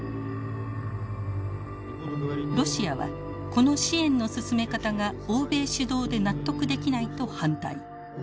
ロシアは「この支援の進め方が欧米主導で納得できない」と反対。